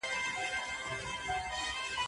زنګول مي لا خوبونه د زلمیو شپو په ټال کي